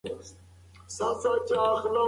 تاسي باید د سفر لپاره تیاری ونیسئ.